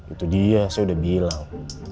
itu dia saya udah bilang